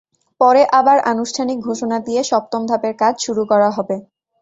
পরে আবার আনুষ্ঠানিক ঘোষণা দিয়ে সপ্তম ধাপের কাজ শুরু করা হবে।